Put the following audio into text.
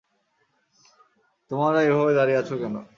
তোমারা এভাবে দাঁড়িয়ে আছো কেন?